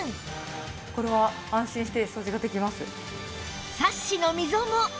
これは安心して掃除ができます。